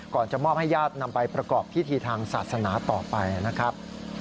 จะมอบให้ญาตินำไปประกอบพิธีทางศาสนาต่อไปนะครับ